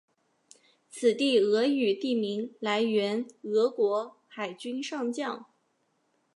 此地俄语地名来源俄国海军上将。